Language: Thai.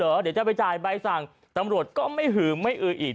เดี๋ยวจะไปจ่ายใบสั่งตำรวจก็ไม่หืมไม่อืออีก